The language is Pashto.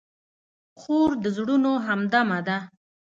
خور د زړونو همدمه ده.